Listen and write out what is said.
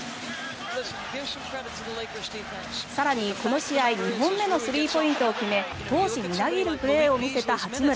更に、この試合２本目のスリーポイントを決め闘志みなぎるプレーを見せた八村。